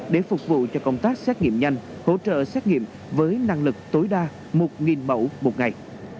để phục vụ cho công tác xét nghiệm nhanh hỗ trợ xét nghiệm với năng lực tối đa một mẫu một ngày